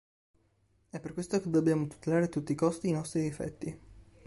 È per questo che dobbiamo tutelare a tutti i costi i nostri difetti.